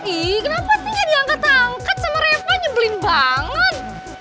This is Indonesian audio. ih kenapa dia diangkat angkat sama reva nyebelin banget